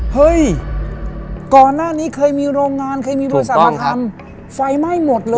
เฮ้ยก่อนหน้านี้เคยมีโรงงานเคยมีบริษัทมาทำไฟไหม้หมดเลย